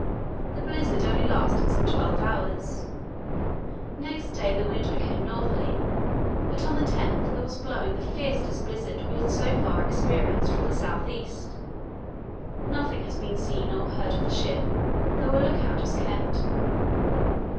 The blizzard only lasted some twelve hours. Next day the wind became northerly, but on the 10th there was blowing the fiercest blizzard we have so far experienced from the south east. Nothing has since been seen or heard of the ship, though a look out was kept.